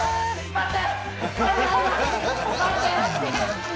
待って！